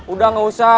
udah gak usah